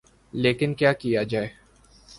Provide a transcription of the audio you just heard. لیکن کیا کیا جائے۔